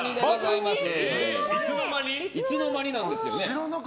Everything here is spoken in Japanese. いつの間になんですよね。